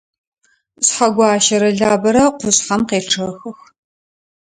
Шъхьэгуащэрэ Лабэрэ къушъхьэм къечъэхых.